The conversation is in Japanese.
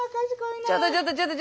ちょっとちょっとちょっとちょっと。